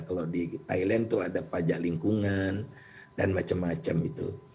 kalau di thailand itu ada pajak lingkungan dan macam macam itu